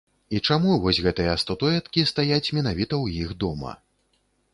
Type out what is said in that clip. І чаму вось гэтыя статуэткі стаяць менавіта ў іх дома.